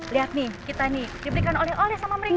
lihat nih kita nih diberikan oleh oleh sama mereka